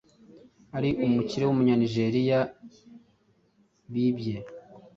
ari umukire w’umunyanigeriya bibye,